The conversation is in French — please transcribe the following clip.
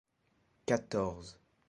quatorze